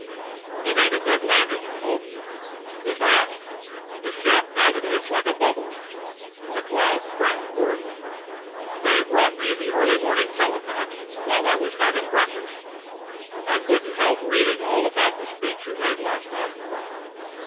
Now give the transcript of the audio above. "You made a good landing, I hope?" "The best. The ship navigates like a bubble." McLeod frowned worriedly. "They brought me the early morning telefax while I was having breakfast. I couldn't help reading all about the speech you made last night."